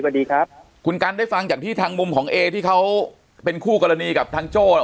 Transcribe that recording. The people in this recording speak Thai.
สวัสดีครับคุณกันได้ฟังจากที่ทางมุมของเอที่เขาเป็นคู่กรณีกับทางโจ้